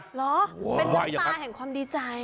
เหรอเป็นน้ำตาแห่งความดีใจ